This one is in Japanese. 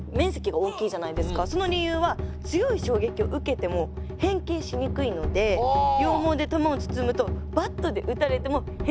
その理由は強い衝撃を受けても変形しにくいので羊毛で球を包むとバットで打たれても変形しないということで。